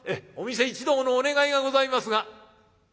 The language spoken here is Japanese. お店一同のお願いがございますが」。